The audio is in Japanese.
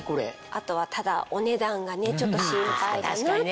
あとはただお値段がねちょっと心配だなと思いますね。